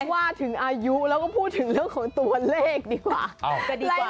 ว่าถึงอายุแล้วก็พูดถึงเรื่องของตัวเลขดีกว่าจะดีกว่า